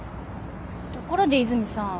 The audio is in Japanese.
ところで和泉さん